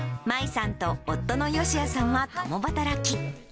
真衣さんと夫のよしやさんは共働き。